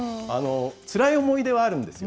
つらい思い出はあるんですよ、